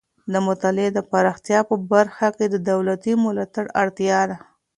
د مطالعې د پراختیا په برخه کې د دولتي ملاتړ اړتیا ده.